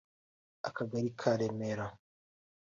Akagari ka Remera